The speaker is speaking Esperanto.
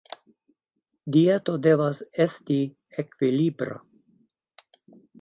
Dieto devas esti ekvilibra.